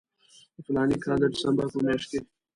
د فلاني کال د ډسمبر په میاشت کې.